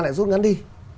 lại rút ngắn đi